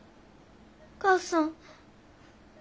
お母さん。